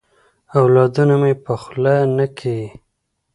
اولادونه مي په خوله نه کیې.